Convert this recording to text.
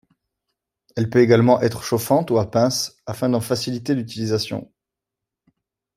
Elle peut également être chauffante ou à pince, afin d'en faciliter l'utilisation.